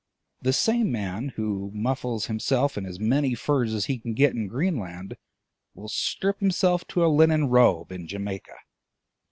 The same man, who muffles himself in as many furs as he can get in Greenland, will strip himself to a linen robe in Jamaica.